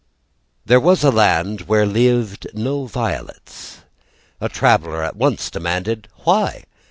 There was a land where lived no violets. A traveller at once demanded: "Why?"